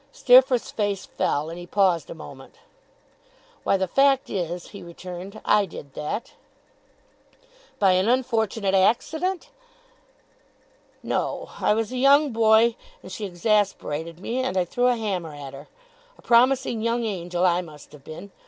Steerforth's face fell, and he paused a moment. 'Why, the fact is,' he returned, 'I did that.' 'By an unfortunate accident!' 'No. I was a young boy, and she exasperated me, and I threw a hammer at her. A promising young angel I must have been!